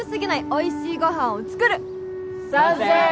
おいしいご飯を作る賛成！